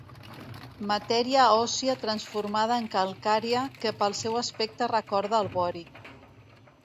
Matèria òssia transformada en calcària que pel seu aspecte recorda el vori.